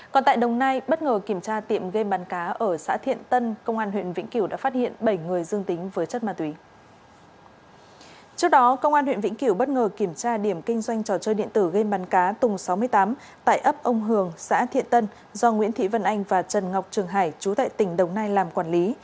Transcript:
trước đó công an huyện vĩnh kiểu bất ngờ kiểm tra điểm kinh doanh trò chơi điện tử game bắn cá tùng sáu mươi tám tại ấp ông hường xã thiện tân do nguyễn thị vân anh và trần ngọc trường hải chú tại tỉnh đồng nai làm quản lý